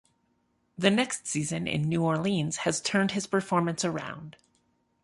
The next season in New Orleans he turned his performance around.